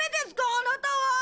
あなたは！